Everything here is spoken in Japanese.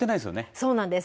そうなんです。